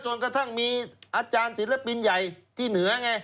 กระทั่งมีอาจารย์ศิลปินใหญ่ที่เหนือไง